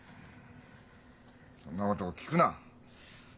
そんなことを聞くな。